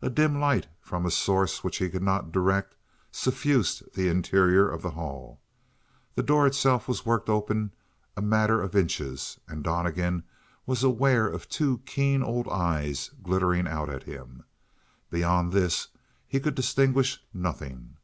A dim light from a source which he could not direct suffused the interior of the hall; the door itself was worked open a matter of inches and Donnegan was aware of two keen old eyes glittering out at him. Beyond this he could distinguish nothing.